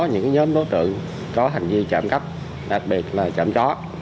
nhóm đối tượng có hành vi trộm cắp đặc biệt là trộm chó